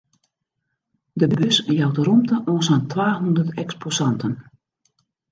De beurs jout romte oan sa'n twahûndert eksposanten.